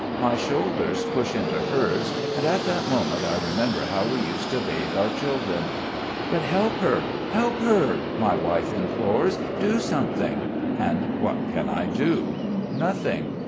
My shoulders push into hers, and at that moment I remember how we used to bathe our children. "But help her, help her!" my wife implores. "Do something!" And what can I do? Nothing.